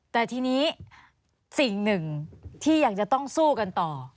แต่ทีนี้สิ่งหนึ่งที่ยังจะต้องสู้กันต่อ